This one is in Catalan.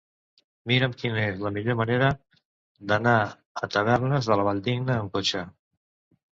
Mira'm quina és la millor manera d'anar a Tavernes de la Valldigna amb cotxe.